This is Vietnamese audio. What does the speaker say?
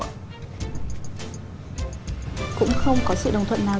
cũng không có sự đồng thuận nào